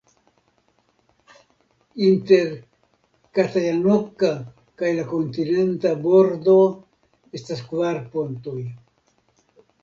Inter Katajanokka kaj la kontinenta bordo estas kvar pontoj.